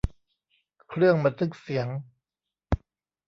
เครื่องบันทึกเสียง